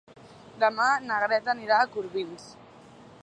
Demà na Greta anirà a Corbins.